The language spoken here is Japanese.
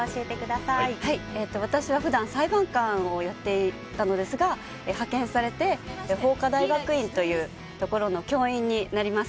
私は普段裁判官をやっていたんですが派遣されて法科大学院というところの教員になります。